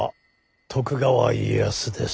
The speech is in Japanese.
徳川家康です。